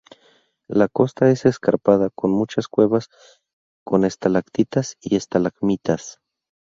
La costa es escarpada, con muchas cuevas con estalactitas y estalagmitas.